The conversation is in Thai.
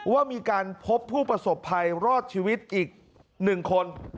ว่ามีการพบผู้ประสบภัยรอดชีวิตอีก๑คน